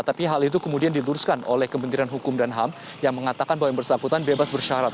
tapi hal itu kemudian diluruskan oleh kementerian hukum dan ham yang mengatakan bahwa yang bersangkutan bebas bersyarat